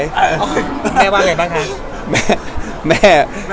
แม่ว่าอะไรบ้างคะ